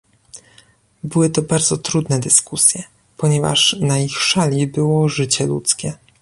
Były to bardzo trudne dyskusje, ponieważ na ich szali było życie ludzkie